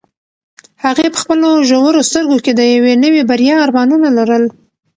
هغې په خپلو ژورو سترګو کې د یوې نوې بریا ارمانونه لرل.